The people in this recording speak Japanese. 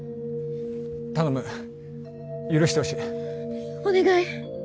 頼む許してほしいお願い！